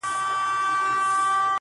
داسي دي سترگي زما غمونه د زړگي ورانوي